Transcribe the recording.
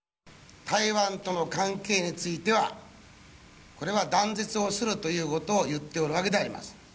台湾との関係についてはこれを断絶をするということを言っておるわけでございます。